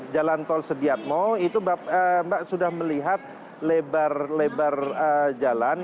jalan tol sediatmo itu mbak sudah melihat lebar lebar jalan